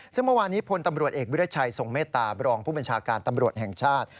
ซึ่งเมื่อวานี้พลตำรวจเอกวิรัชัยทรงเมตตาบรองผู้บัญชาการตำรวจแห่งชาติ